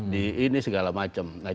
di ini segala macam